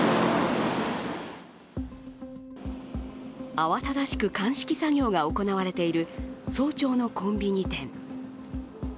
慌ただしく鑑識作業が行われている早朝のコンビニ店。